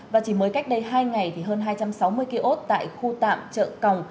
và chỉ mới cách đây hai ngày thì hơn hai trăm sáu mươi kiosk tại khu tạm chợ còng